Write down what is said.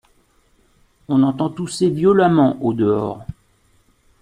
On entend tousser violemment, au-dehors.